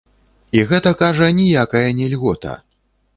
І гэта, кажа, ніякая не льгота.